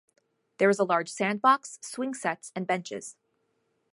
There is a large sandbox, swing sets, and benches.